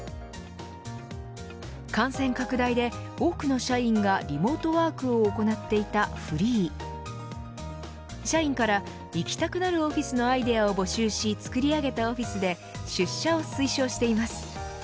感染拡大で多くの社員がリモートワークを行っていたｆｒｅｅｅ社員から行きたくなるオフィスのアイデアを募集し作り上げたオフィスで出社を推奨しています。